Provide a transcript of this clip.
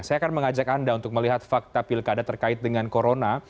saya akan mengajak anda untuk melihat fakta pilkada terkait dengan corona